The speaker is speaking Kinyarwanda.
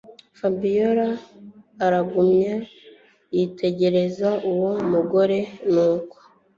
Fabiora aragumya yitegereza uwo mugore nuko